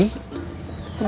sebentar ya mang